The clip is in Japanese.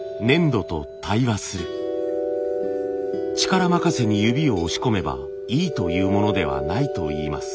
力任せに指を押し込めばいいというものではないといいます。